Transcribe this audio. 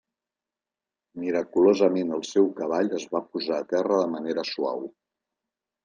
Miraculosament el seu cavall es va posar a terra de manera suau.